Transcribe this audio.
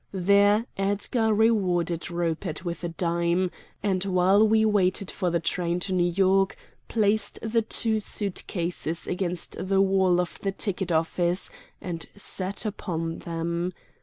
There Edgar rewarded Rupert with a dime, and while we waited for the train to New York placed the two suit cases against the wall of the ticket office and sat upon them.